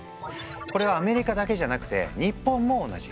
これはアメリカだけじゃなくて日本も同じ。